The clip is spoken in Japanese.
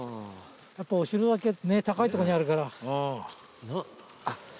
やっぱお城だけ高いとこにあるから。